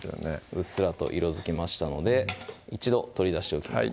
うっすらと色づきましたので一度取り出しておきます